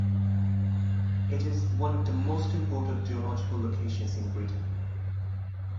It is one of the most important geological locations in Britain.